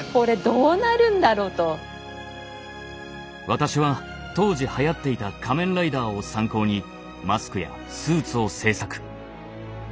私は当時はやっていた「仮面ライダー」を参考にマスクやスーツを制作。